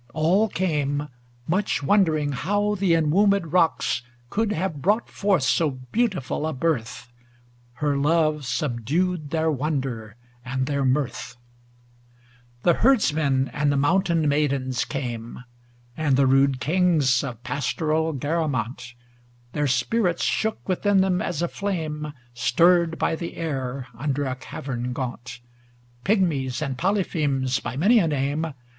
All came, much wondering how the en womb^d rocks Could have brought forth so beautiful a birth ; Her love subdued their wonder and their mirth. XI The herdsman and the mountain maidens came. And the rude kings of pastoral Garamant; Their spirits shook within them, as a flame Stirred by the air under a cavern gaunt; Pygmies, and Polyphemes, by many a name.